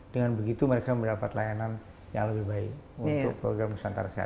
dengan begitu mereka mendapat layanan yang lebih baik untuk program nusantara sehat